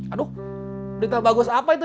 aduh detail bagus apa itu